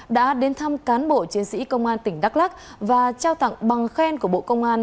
đã đến thăm cán bộ chiến sĩ công an tỉnh đắk lắc và trao tặng bằng khen của bộ công an